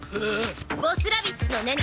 ボスラビッツのネネ！